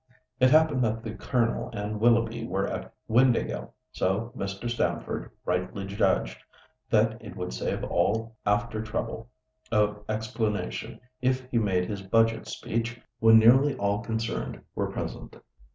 It happened that the Colonel and Willoughby were at Windāhgil, so Mr. Stamford rightly judged that it would save all after trouble of explanation if he made his Budget speech when nearly all concerned were present.